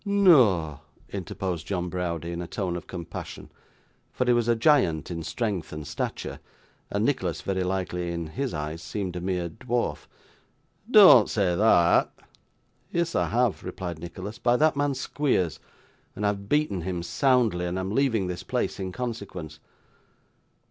'Noa!' interposed John Browdie, in a tone of compassion; for he was a giant in strength and stature, and Nicholas, very likely, in his eyes, seemed a mere dwarf; 'dean't say thot.' 'Yes, I have,' replied Nicholas, 'by that man Squeers, and I have beaten him soundly, and am leaving this place in consequence.